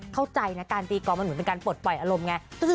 เข้าใจนะการตีกองมันเหมือนเป็นการปลดปล่อยอารมณ์ไง